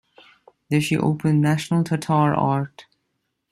There she opened national Tatar art.